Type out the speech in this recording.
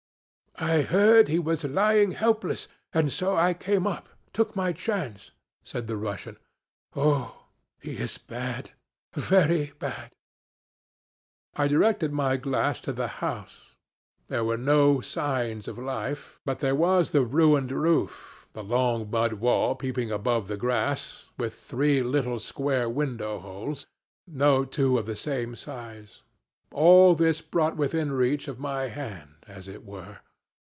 'I heard he was lying helpless, and so I came up took my chance,' said the Russian. 'Oh, he is bad, very bad.' I directed my glass to the house. There were no signs of life, but there was the ruined roof, the long mud wall peeping above the grass, with three little square window holes, no two of the same size; all this brought within reach of my hand, as it were.